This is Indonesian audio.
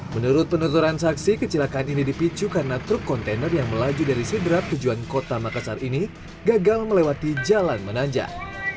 menurut penuturan saksi kecelakaan ini dipicu karena truk kontainer yang melaju dari sidrap tujuan kota makassar ini gagal melewati jalan menanjak